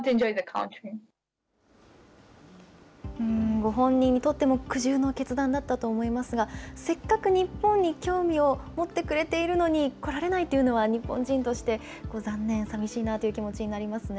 ご本人にとっても苦渋の決断だったと思いますが、せっかく日本に興味を持ってくれているのに、来られないというのは、日本人として残念、さみしいなという気持ちになりますね。